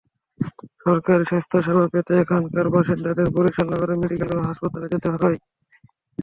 সরকারি স্বাস্থ্যসেবা পেতে এখানকার বাসিন্দাদের বরিশাল নগরের মেডিকেল কলেজ হাসপাতালে যেতে হয়।